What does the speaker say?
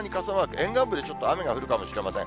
沿岸部でちょっと雨が降るかもしれません。